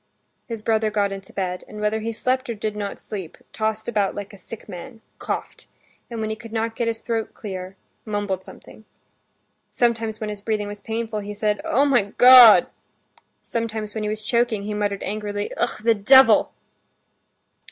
His brother got into bed, and whether he slept or did not sleep, tossed about like a sick man, coughed, and when he could not get his throat clear, mumbled something. Sometimes when his breathing was painful, he said, "Oh, my God!" Sometimes when he was choking he muttered angrily, "Ah, the devil!"